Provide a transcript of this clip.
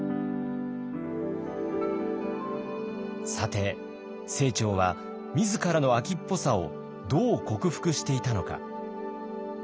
さて清張は自らの飽きっぽさをどう克服していたのか。